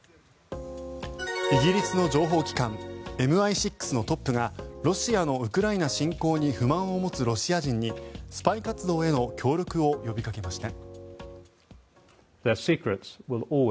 イギリスの情報機関ＭＩ６のトップがロシアのウクライナ侵攻に不満を持つロシア人にスパイ活動への協力を呼びかけました。